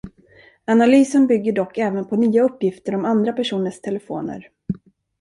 Analysen bygger dock även på nya uppgifter om andra personers telefoner.